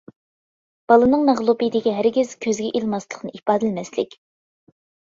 بالىنىڭ مەغلۇبىيىتىگە ھەرگىز كۆزگە ئىلماسلىقىنى ئىپادىلىمەسلىك.